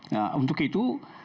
nah untuk itu